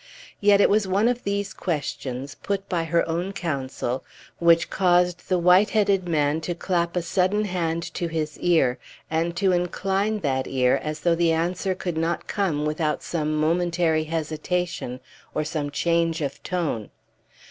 Yet it was one of these questions, put by her own counsel, which caused the white headed man to clap a sudden hand to his ear, and to incline that ear as though the answer could not come without some momentary hesitation or some change of tone.